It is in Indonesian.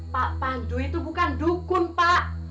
pak pandu itu bukan dukun pak